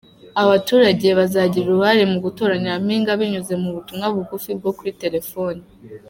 Abaturage bazagira uruhare mu gutora Nyampinga binyuze ku butumwa bugufi bwo kuri telefone.